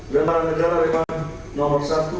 lembaga negara republik no satu